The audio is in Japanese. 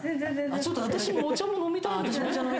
ちょっと私、お茶飲みたい。